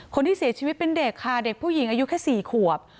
คนที่เสียชีวิตเป็นเด็กค่ะเด็กผู้หญิงอายุแค่๔ขวบ